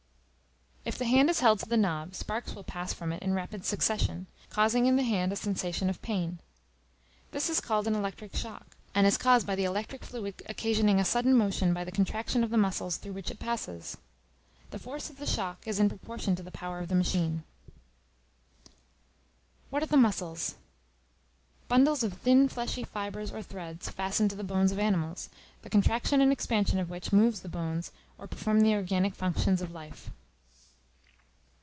If the hand is held to the knob, sparks will pass from it in rapid succession, causing in the hand a sensation of pain. This is called an electric shock, and is caused by the electric fluid occasioning a sudden motion by the contraction of the muscles through which it passes. The force of the shock is in proportion to the power of the machine. What are the Muscles? Bundles of thin fleshy fibres, or threads, fastened to the bones of animals, the contraction and expansion of which move the bones or perform the organic functions of life.